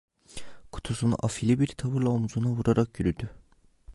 Kutusunu afili bir tavırla omuzuna vurarak yürüdü.